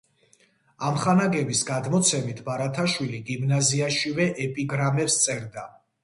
ამხანაგების გადმოცემით, “ბარათაშვილი გიმნაზიაშივე ეპიგრამებს სწერდა”.